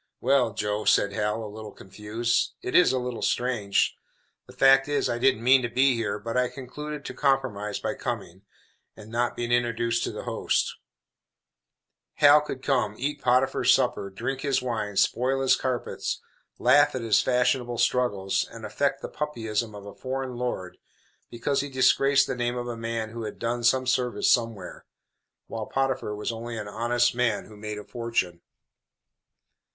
"Well, Joe," said Hal, a little confused, "it is a little strange. The fact is I didn't mean to be here, but I concluded to compromise by coming, and not being introduced to the host." Hal could come, eat Potiphar's supper, drink his wines, spoil his carpets, laugh at his fashionable struggles, and affect the puppyism of a foreign lord, because he disgraced the name of a man who had done some service somewhere, while Potiphar was only an honest man who made a fortune.